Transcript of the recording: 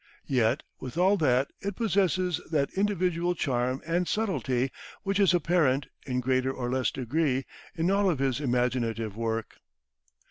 Yet with all that, it possesses that individual charm and subtlety which is apparent, in greater or less degree, in all of his imaginative work.